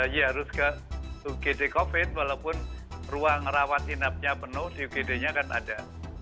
ya harus ke ugd covid walaupun ruang rawat inapnya penuh ugd nya kan ada